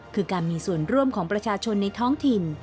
คือการมีส่วนร่วมของประชาชนในท้องถิ่น